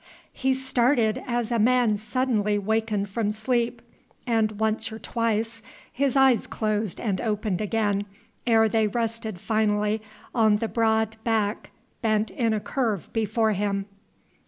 He started as a man suddenly wakened from sleep, and once or twice his eyes closed and opened again ere they rested finally on the broad back bent in a curve before him.